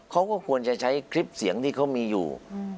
เขาก็ควรจะใช้คลิปเสียงที่เขามีอยู่